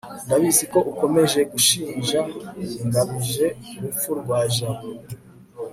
ndabizi ko ukomeje gushinja ngamije urupfu rwa jabo